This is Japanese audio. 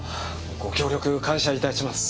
ご協力感謝致します。